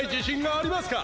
あります！